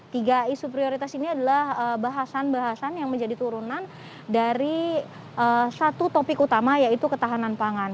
tiga isu prioritas ini adalah bahasan bahasan yang menjadi turunan dari satu topik utama yaitu ketahanan pangan